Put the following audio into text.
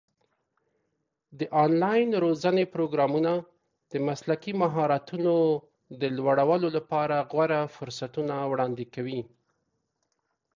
د آنلاین روزنې پروګرامونه د مسلکي مهارتونو د لوړولو لپاره غوره فرصتونه وړاندې کوي.